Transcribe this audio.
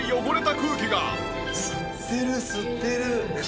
吸ってる吸ってる。